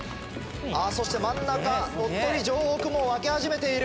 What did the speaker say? そして真ん中鳥取城北も分け始めている。